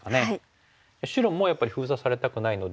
白もやっぱり封鎖されたくないので逃げていきます。